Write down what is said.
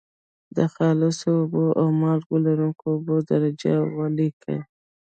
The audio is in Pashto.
د خالصو اوبو او مالګې لرونکي اوبو درجې ولیکئ.